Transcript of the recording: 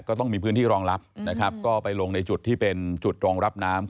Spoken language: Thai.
ก็ต้องมีพื้นที่รองรับนะครับก็ไปลงในจุดที่เป็นจุดรองรับน้ำ